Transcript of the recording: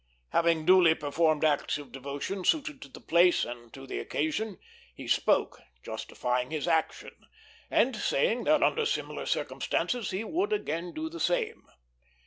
Having duly performed acts of devotion suited to the place and to the occasion, he spoke, justifying his action, and saying that, under similar circumstances, he would again do the same.